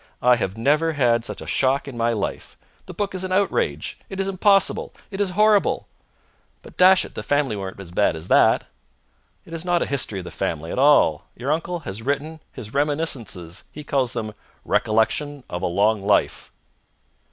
I have never had such a shock in my life. The book is an outrage. It is impossible. It is horrible!" "But, dash it, the family weren't so bad as all that." "It is not a history of the family at all. Your uncle has written his reminiscences! He calls them 'Recollections of a Long Life'!"